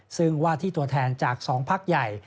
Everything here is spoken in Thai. ซึ่งว่าที่ตัวแทนจากสองภักดิ์ใหญ่